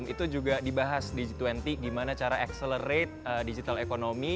itu juga dibahas di g dua puluh gimana cara accelerate digital economy